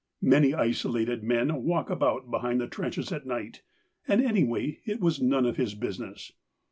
Many isolated men walk about behind the trenches at night, and anyway, it was none of his business.